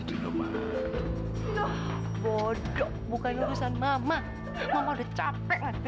gila sungguh sungguh kayak gini